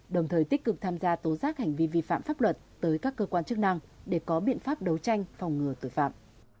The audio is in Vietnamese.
đồng thời tích cực tham gia tố giác hành vi vi phạm pháp luật tới các cơ quan chức năng để có biện pháp đấu tranh phòng ngừa tội phạm